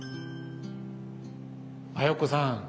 綾子さん！